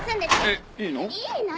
えっいいの？